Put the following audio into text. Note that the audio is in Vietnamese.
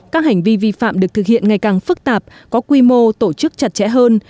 các hành vi vi phạm được thực hiện ngày càng phức tạp có quy mô tổ chức chặt chẽ hơn